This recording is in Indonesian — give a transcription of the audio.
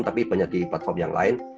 tapi banyak di platform yang lain